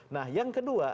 nah yang kedua